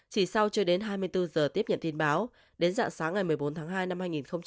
chỉ sau chưa đến hai mươi bốn giờ tiếp nhận tin báo đến dạng sáng ngày một mươi bốn tháng hai năm hai nghìn hai mươi